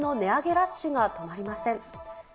ラッシュが止まりません。